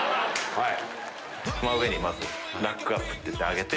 はい。